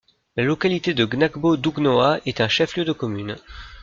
La localité de Gnagbodougnoa est un chef-lieu de commune.